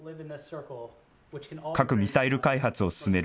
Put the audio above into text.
核・ミサイル開発を進める